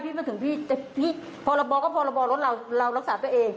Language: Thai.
พี่เมื่อถึงพี่พอระบอกก็พอระบอกเรารักษาตัวเอง